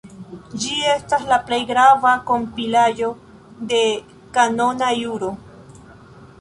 Ĝi estas la plej grava kompilaĵo de kanona juro.